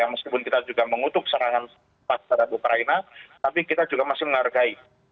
meskipun kita juga mengutuk serangan pas terhadap ukraina tapi kita juga masih menghargai